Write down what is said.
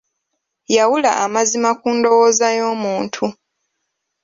Yawula amazima ku ndowooza y'omuntu.